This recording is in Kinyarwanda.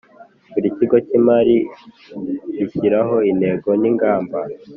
buri kigo cy imari gishyiraho intego n ingamba